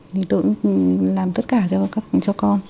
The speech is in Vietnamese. thì tôi cũng làm tất cả cho con